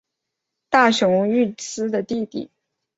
大熊裕司的弟弟。